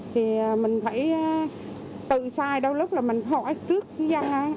thì mình phải tự sai đâu lúc là mình hỏi trước dân